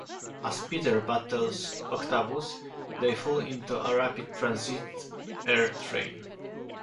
As Peter battles Octavius, they fall onto a rapid transit R train.